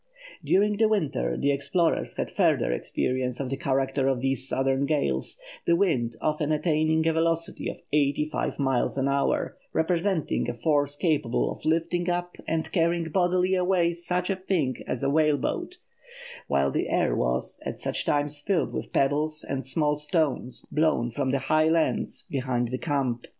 During the winter the explorers had further experience of the character of these southern gales, the wind often attaining a velocity of eighty five miles an hour, representing a force capable of lifting up and carrying bodily away such a thing as a whale boat; while the air was, at such times, filled with pebbles and small stones blown from the high lands behind the camp.